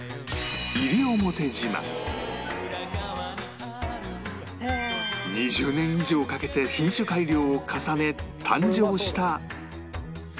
から２０年以上かけて品種改良を重ね誕生した